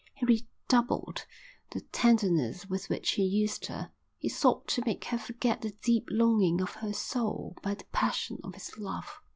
He redoubled the tenderness with which he used her. He sought to make her forget the deep longing of her soul by the passion of his love.